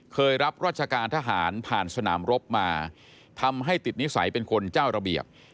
รับราชการทหารผ่านสนามรบมาทำให้ติดนิสัยเป็นคนเจ้าระเบียบ